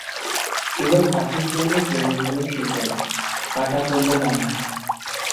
এবার পাখির জন্য তৈরি হলো শিকল, কাটা পড়ল ডানা।